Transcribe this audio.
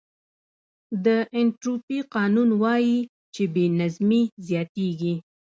د انټروپي قانون وایي چې بې نظمي زیاتېږي.